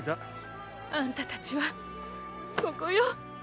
あんた達はここよ。